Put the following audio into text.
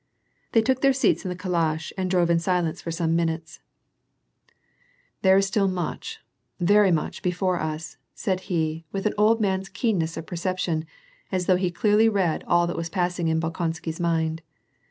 They took their seats in the calash and drove in silence for some minutes. 200 WAR AyD PEACE. " There is still much, yeiy much before us," said he, with an old man's keenness of perception, as though he clearly read all that was passing in Bolkonskj's mind.